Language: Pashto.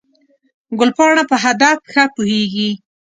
ګلپاڼه په هدف ښه پوهېږي.